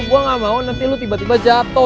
gua gak mau nanti lo tiba tiba jatoh